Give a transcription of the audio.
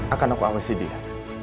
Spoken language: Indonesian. akan aku awasi dia